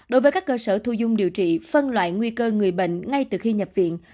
đối với các cơ sở thu dung điều trị phân loại nguy cơ người bệnh ngay từ khi nhập viện